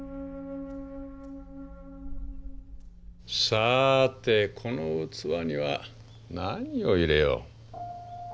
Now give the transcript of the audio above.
さてこの器には何を入れよう。